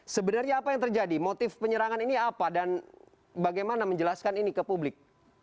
sebenarnya apa yang terjadi motif penyerangan ini apa dan bagaimana menjelaskan ini ke publik